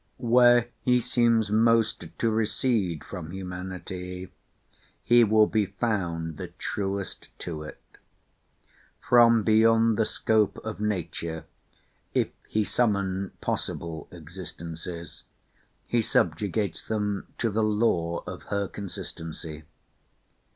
Where he seems most to recede from humanity, he will be found the truest to it. From beyond the scope of Nature if he summon possible existences, he subjugates them to the law of her consistency.